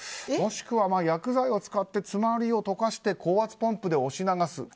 もしくは薬剤を使って詰まりを溶かして高圧ポンプで押し流す。